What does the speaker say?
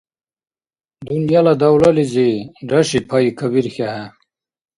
Дунъяла давлализи, Раши, пай кабирхьехӏе,